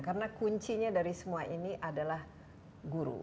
karena kuncinya dari semua ini adalah guru